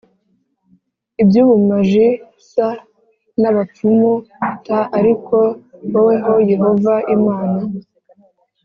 Iby ubumaji s n abapfumu t ariko wowe ho yehova imana